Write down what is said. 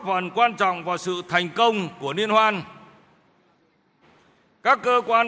góp phần quan trọng vào sự thành công của liên hoan các cơ quan